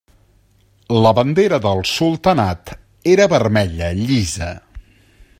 La bandera del sultanat era vermella llisa.